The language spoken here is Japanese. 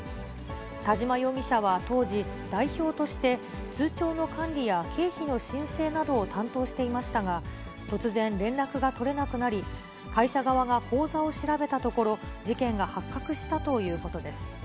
田嶋容疑者は当時、代表として通帳の管理や経費の申請などを担当していましたが、突然、連絡が取れなくなり、会社側が口座を調べたところ、事件が発覚したということです。